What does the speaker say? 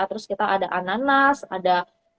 terus kita ada ananas ada